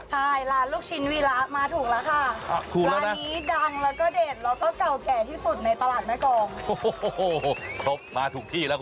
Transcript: ใช่ร้านลูกชิ้นวีระมาถูกแล้วค่ะ